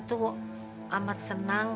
itu amat senang